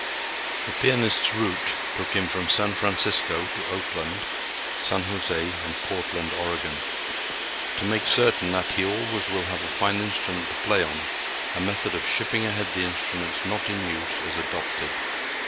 The pianist's route took him from San Francisco to Oakland, San José, and Portland, Oregon. To make certain that he always will have a fine instrument to play on, a method of shipping ahead the instruments not in use is adopted.